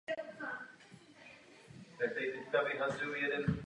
Z důvodu nízkého věku byl ale propuštěn.